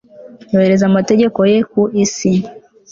yoherereza amategeko ye ku isi